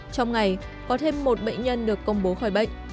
trong ngày có thêm một bệnh nhân được công bố khỏi bệnh